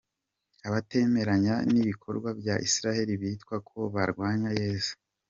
Abatemeranya n’ibikorwa bya Israel bitwa ko barwanya Yezu.